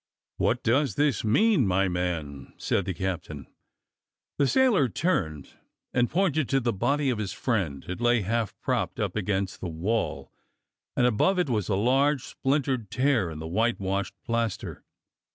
"What does this mean, my man?" said the cap tain. The sailor turned and pointed to the body of his friend. It lay half propped up against the wall, and above it was a large splintered tear in the whitewashed plaster.